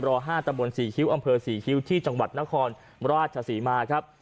๕ตำบล๔คิ้วอำเภอศรีคิ้วที่จังหวัดนครราชศรีมาครับ